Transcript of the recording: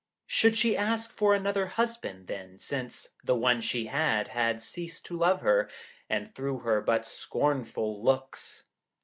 Should she ask for another husband, then, since the one she had, had ceased to love her, and threw her but scornful looks?